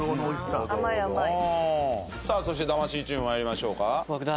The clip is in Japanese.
そして魂チーム参りましょうか。